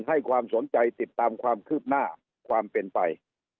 ให้ความสนใจติดตามความคืบหน้าความเป็นไป